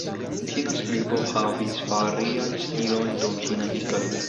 Ĉina skribo havis variajn stilojn dum ĉina historio.